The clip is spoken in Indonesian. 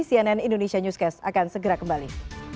cnn indonesia newscast akan segera kembali